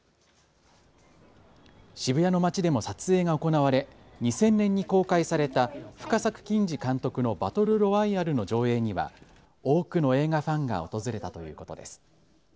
渋谷の街でも撮影が行われ２０００年に公開された深作欣二監督のバトル・ロワイアルの上映には多くの映画ファンが訪れたということです。